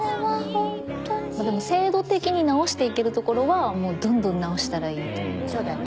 でも制度的に直していけるところはもうどんどん直したらいいと思う。